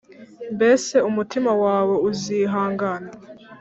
Mbese umutima wawe uzihangana